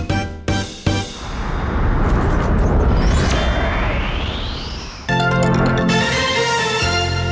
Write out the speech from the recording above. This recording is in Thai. พระอาทิตย์สุดท้ายพระอาทิตย์สุดท้าย